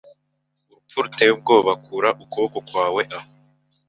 Urupfu ruteye ubwoba kura ukuboko kwawe aho